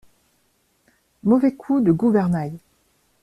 Mauvais coup de gouvernail.